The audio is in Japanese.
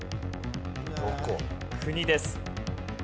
国です。